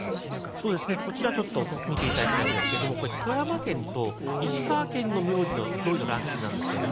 そうですねこちらちょっと見ていただきたいんですけれどもこれ富山県と石川県の名字の上位のランキングなんですけども。